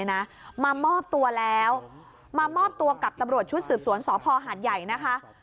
นะมามอบตัวแล้วมามอบตัวกับตำรวจชุดสืบสวนสพหาดใหญ่นะคะ